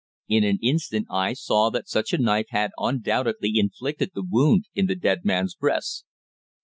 In an instant I saw that such a knife had undoubtedly inflicted the wound in the dead man's breast.